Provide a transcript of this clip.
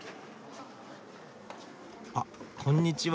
あっこんにちは。